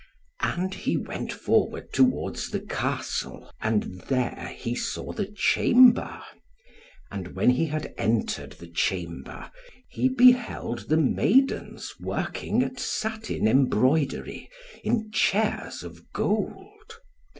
And he went forward towards the Castle, and there he saw the chamber; and when he had entered the chamber, he beheld the maidens working at satin embroidery, in chairs of gold.